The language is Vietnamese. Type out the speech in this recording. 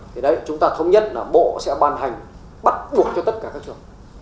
thì đấy chúng ta thông nhất là bộ sẽ bàn hành bắt buộc cho tất cả các trường